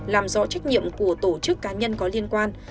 làm rõ trách nhiệm của tổ chức cá nhân có liên quan